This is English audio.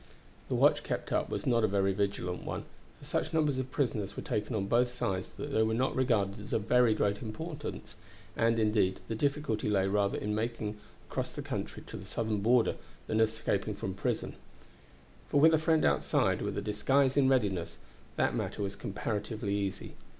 The watch kept up was not a very vigilant one, for such numbers of prisoners were taken on both sides that they were not regarded as of very great importance, and, indeed, the difficulty lay rather in making across the country to the Southern border than in escaping from prison; for with a friend outside, with a disguise in readiness, that matter was comparatively easy.